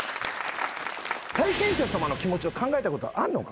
債権者さまの気持ちを考えたことあんのか？